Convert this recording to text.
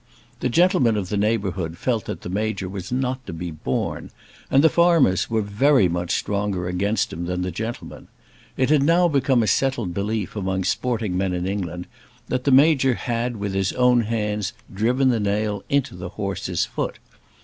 The gentlemen of the neighbourhood felt that the Major was not to be borne, and the farmers were very much stronger against him than the gentlemen. It had now become a settled belief among sporting men in England that the Major had with his own hands driven the nail into the horse's foot.